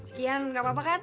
sekian gak apa apa kan